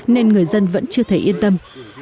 nên người dân vẫn chưa thấy yên tâm